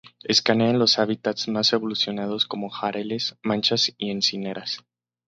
Escasean en los hábitats más evolucionados como jarales, manchas y encinares.